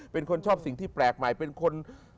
เป็นคนชอบสิ่งที่แปลกใหม่เป็นคน